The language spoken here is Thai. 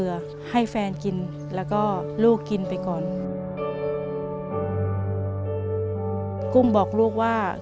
เปลี่ยนเพลงเพลงเก่งของคุณและข้ามผิดได้๑คำ